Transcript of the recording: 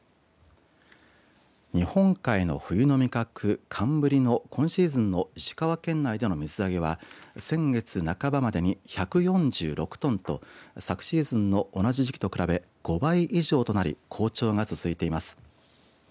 日本海の冬の味覚寒ぶりの今シーズンの石川県内での水揚げは先月半ばまでに１４６トンと昨シーズンの同じ時期と比べ５倍以上となり好調が続いています。